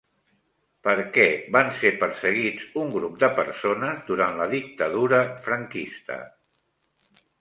Per què van ser perseguits un grup de persones durant la dictadura franquista?